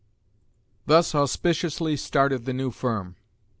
Thus auspiciously started the new firm.